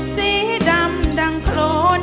สีดำดังโครน